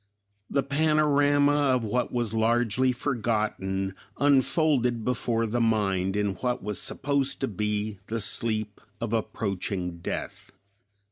The panorama of what was largely forgotten unfolded before the mind in what was supposed to be the sleep of approaching death.